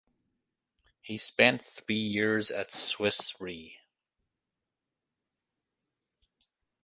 He spent three years at Swiss Re.